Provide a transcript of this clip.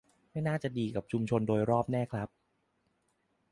ไม่น่าจะดีกับชุมชนโดยรอบแน่ครับ